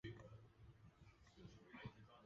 似椭圆碘泡虫为碘泡科碘泡虫属的动物。